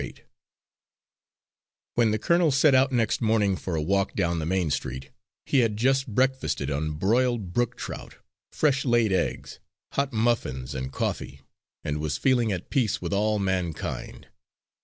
Eight When the colonel set out next morning for a walk down the main street, he had just breakfasted on boiled brook trout, fresh laid eggs, hot muffins and coffee, and was feeling at peace with all mankind.